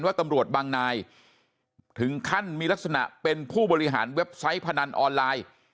ว่าตำรวจบางนายถึงขั้นมีลักษณะเป็นผู้บริหารเว็บไซต์พนันออนไลน์